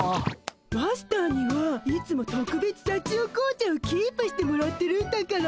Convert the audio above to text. マスターにはいつもとくべつさちよ紅茶をキープしてもらってるんだから。